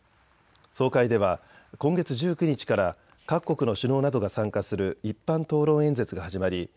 総会では今月１９日から各国の首脳などが参加する一般討論演説が始まり